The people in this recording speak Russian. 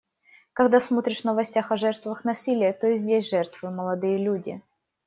Когда смотришь в новостях о жертвах насилия, то и здесь жертвы — молодые люди.